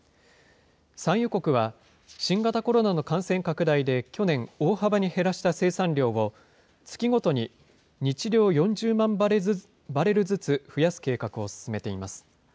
産油国は、新型コロナの感染拡大で去年、大幅に減らした生産量を、月ごとに日量４０万バレルずつ増やす計画を進めています。